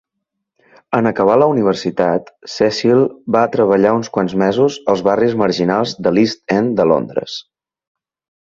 En acabar la universitat, Cecil va treballar uns quants mesos als barris marginals de l'East End de Londres-